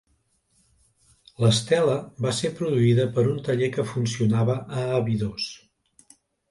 L'estela va ser produïda per un taller que funcionava a Abidos.